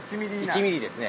１ｍｍですね。